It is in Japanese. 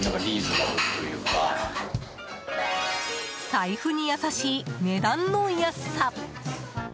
財布に優しい値段の安さ。